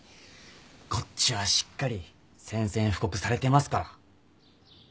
こっちはしっかり宣戦布告されてますから。